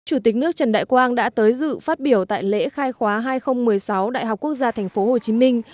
chủ tịch nước trần đại quang đã tới dự phát biểu tại lễ khai khóa hai nghìn một mươi sáu đại học quốc gia thành phố hồ chí minh